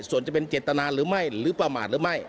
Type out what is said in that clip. ส่วนจะเป็นเจตนาหรือไม่หรือประมาทหรือไม่